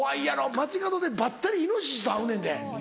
街角でばったりイノシシとあうねんで。